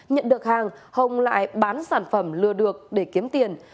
nhận được hàng hồng lại bán sản phẩm lừa được để kiếm tiền